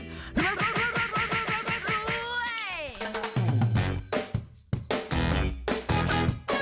เลี่ยงควายด้วย